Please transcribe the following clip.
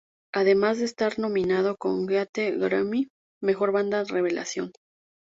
Además de estar nominado con Keane al Grammy, "Mejor Banda Revelación".